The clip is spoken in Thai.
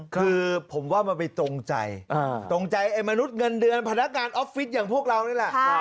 คือผมว่ามันไปตรงใจตรงใจไอ้มนุษย์เงินเดือนพนักงานออฟฟิศอย่างพวกเรานี่แหละ